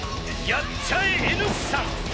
やっちゃえＮ産。